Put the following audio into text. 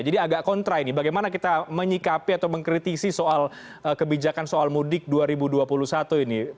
jadi agak kontra ini bagaimana kita menyikapi atau mengkritisi soal kebijakan soal mudik dua ribu dua puluh satu ini